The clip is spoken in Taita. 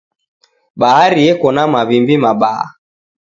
Bahari eko na mawimbi mabaa.